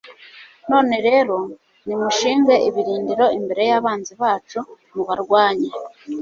none rero, nimushinge ibirindiro imbere y'abanzi bacu, mubarwanye